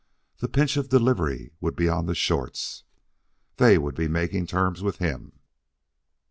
The pinch of delivery would be on the shorts. They would be making terms with him.